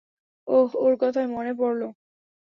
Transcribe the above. ওহ, ওরকথায় মনে পড়ল।